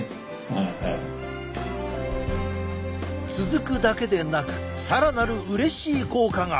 続くだけでなく更なるうれしい効果が！